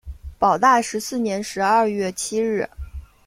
保大十四年十二月七日。